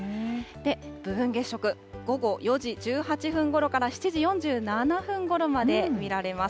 部分月食、午後４時１８分ごろから７時４７分ごろまで見られます。